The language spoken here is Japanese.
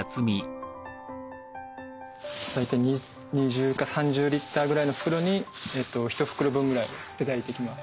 大体２０か３０リッターぐらいの袋に一袋分ぐらい頂いてきます。